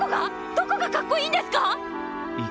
どこがかっこいいんですか！？